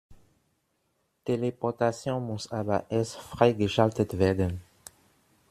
Teleportation muss aber erst freigeschaltet werden.